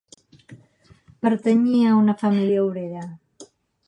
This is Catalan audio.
Pertanyia a una família obrera.